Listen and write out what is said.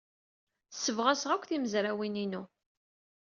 Ssebɣaseɣ akk timezrawin-inu.